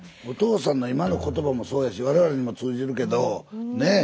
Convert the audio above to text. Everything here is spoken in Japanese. お父さんの今の言葉もそうやし我々にも通じるけどね。